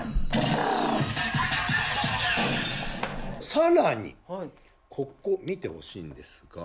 更にここ見てほしいんですが。